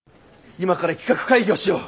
今から企画会議をしよう。